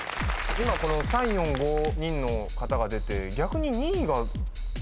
今この３・４・５人の方が出て逆に２位が。